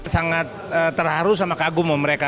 sangat terharu sama kagum mereka